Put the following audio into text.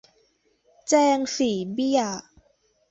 แจงสี่เบี้ย